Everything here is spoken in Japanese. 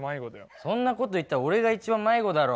そんなこと言ったら俺が一番迷子だろ！